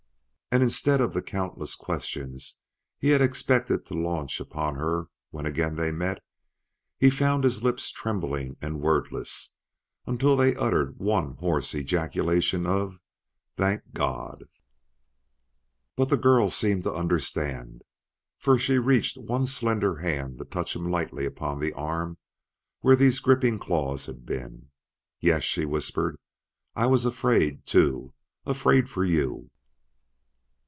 And instead of the countless questions he had expected to launch upon her when again they met, he found his lips trembling and wordless until they uttered one hoarse ejaculation of: "Thank God!" But the girl seemed to understand, for she reached one slender hand to touch him lightly upon the arm where these gripping claws had been. "Yes," she whispered; "I was afraid, too afraid for you!"